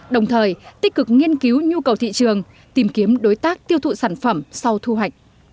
đồng thời tích cực nghiên cứu nhu cầu thị trường tìm kiếm đối tác tiêu thụ sản phẩm sau thu hoạch